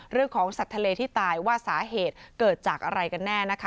เรื่องของสัตว์ทะเลที่ตายว่าสาเหตุเกิดจากอะไรกันแน่นะคะ